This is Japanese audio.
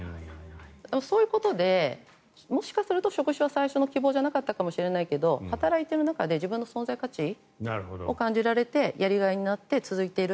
そういうことでもしかすると職種は最初の希望じゃなかったかもしれないけど働いている中で自分の存在価値を感じられてやりがいになって続いている。